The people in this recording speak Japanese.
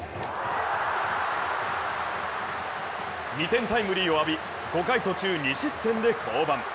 ２点タイムリーを浴び、５回途中２失点で降板。